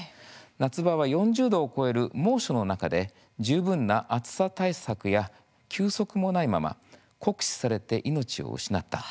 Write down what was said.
夏場は４０度を超える猛暑の中で十分な暑さ対策や休息もないまま酷使されて命を失った。